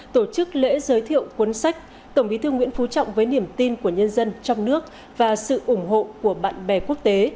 tổ chức lễ giới thiệu cuốn sách tổng bí thư nguyễn phú trọng với niềm tin của nhân dân trong nước và sự ủng hộ của bạn bè quốc tế